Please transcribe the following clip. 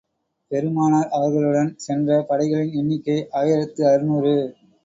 பெருமானார் அவர்களுடன் சென்ற படைகளின் எண்ணிக்கை ஆயிரத்து அறுநூறு.